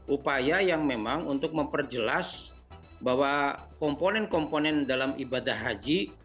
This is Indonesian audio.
upaya yang memang untuk memperjelas bahwa komponen komponen dalam ibadah haji